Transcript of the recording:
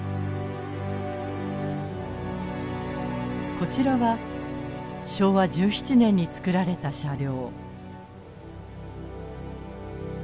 こちらは昭和１７年につくられた車両。